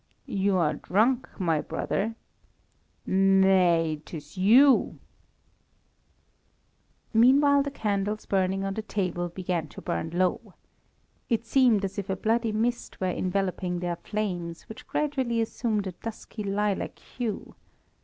"You are drunk, my brother!" "Nay, 'tis you." Meanwhile the candles burning on the table began to burn low. It seemed as if a bloody mist were enveloping their flames, which gradually assumed a dusky lilac hue.